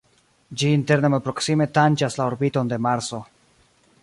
Ĝi interne malproksime tanĝas la orbiton de Marso.